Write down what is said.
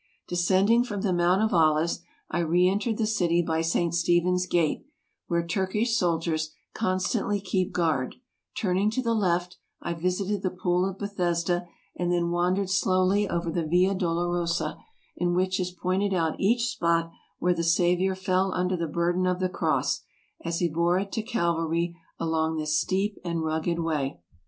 Descending from the Mount of Olives, I reentered the city by St. Stephen's Gate, where Turkish soldiers con stantly keep guard ; turning to the left, I visited the Pool of Bethesda, and then wandered slowly over the Via Dolo rosa, in which is pointed out each spot where the Saviour ASIA 261 fell under the burden of the Cross, as he bore it to Calvary along this steep and rugged way.